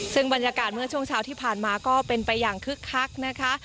ซึ่งบรรยากาศเมื่อช่วงเช้าที่ผ่านมาก็เป็นไปอย่างคึกคักนะคะ